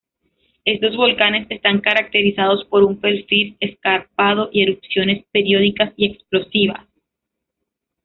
Estos volcanes están caracterizados por un perfil escarpado y erupciones periódicas y explosivas.